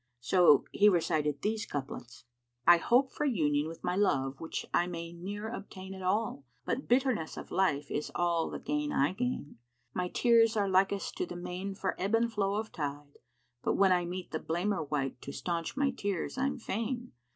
So he recited these couplets, "I hope for Union with my love which I may ne'er obtain * At all, but bitterness of life is all the gain I gain: My tears are likest to the main for ebb and flow of tide; * But when I meet the blamer wight to staunch my tears I'm fain.